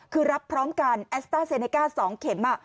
คือรับพร้อมกันแอสต้าเซเนก้า๒เข็ม